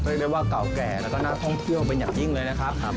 เรียกได้ว่าเก่าแก่แล้วก็น่าท่องเที่ยวเป็นอย่างยิ่งเลยนะครับ